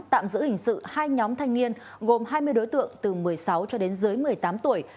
tạm giữ hình sự hai nhóm thanh niên gồm hai mươi đối tượng từ một mươi sáu cho đến dưới một mươi tám tuổi